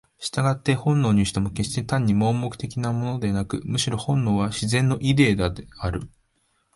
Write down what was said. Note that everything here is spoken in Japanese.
従って本能にしても決して単に盲目的なものでなく、むしろ本能は「自然のイデー」である。